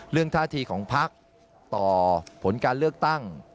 ท่าทีของพักต่อผลการเลือกตั้ง